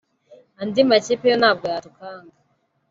andi makipe yo ntabwo yadukanga